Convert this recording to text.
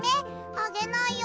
あげないよ。